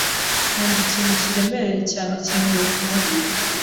numva ikintu kiremereye cyane kimvuye ku mutwe